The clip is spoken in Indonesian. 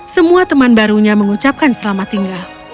semua teman barunya mengucapkan selamat tinggal